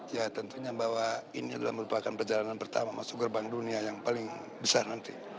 ya tentunya bahwa ini adalah merupakan perjalanan pertama masuk gerbang dunia yang paling besar nanti